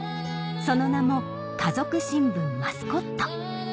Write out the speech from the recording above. その名も『家族新聞マスコット』